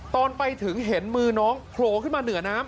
ตอนไปถึงเห็นมือน้องโผล่ขึ้นมาเหนือน้ำ